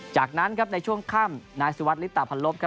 จากนั้นครับในช่วงค่ำนายสิวัตรฤทธาพรพครับ